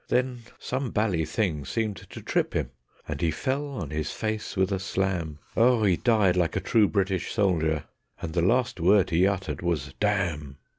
Then some bally thing seemed to trip him, and he fell on his face with a slam. ... Oh, he died like a true British soldier, and the last word he uttered was "Damn!"